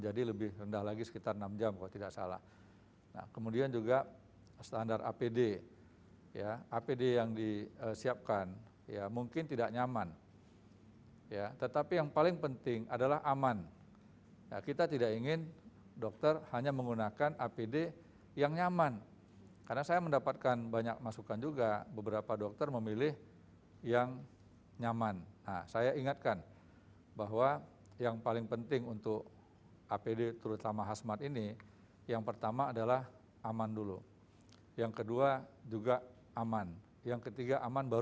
jadi berdasarkan pertanyaan langsung survei langsung ya